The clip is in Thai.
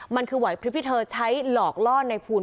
มันคือหวัยพฤทธิ์ที่เธอใช้หลอกล่อนในภูล